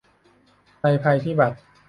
ในภัยพิบัติ